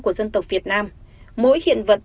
của dân tộc việt nam mỗi hiện vật